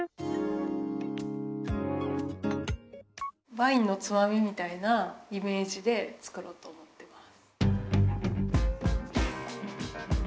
ワインのつまみみたいなイメージで作ろうと思ってます。